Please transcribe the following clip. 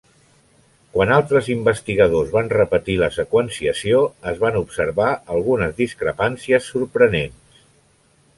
Quan altres investigadors van repetir la seqüenciació, es van observar algunes discrepàncies sorprenents.